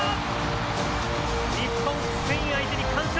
日本、スペイン相手に完勝！